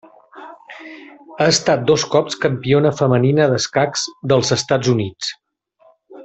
Ha estat dos cops campiona femenina d'escacs dels Estats Units.